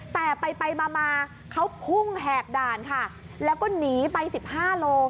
แต่ไปมาเขาคุ่งแหกด่านค่ะแล้วก็หนีไป๑๕โล